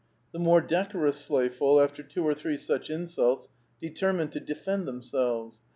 The more decorous sleighful, after two or three such insults, determined to defend themselves.